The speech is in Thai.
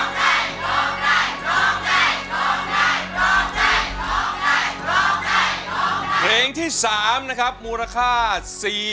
นี่โมงใจร้องใจ